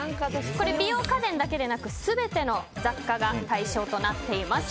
美容家電だけでなく全ての雑貨が対象となっています。